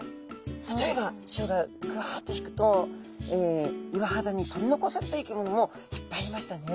例えば潮がグワッと引くと岩肌に取り残された生き物もいっぱいいましたね。